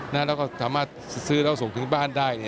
แล้วก็สามารถซื้อแล้วส่งถึงบ้านได้